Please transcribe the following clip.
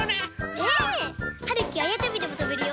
ねえ！はるきあやとびでもとべるよ。